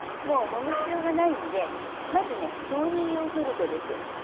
もうもむ必要がないのでまずね豆乳ヨーグルトです。